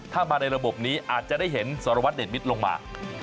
ถ้ามาในระบบนี้อาจจะได้เห็นสารวัตรเดชมิตรลงมา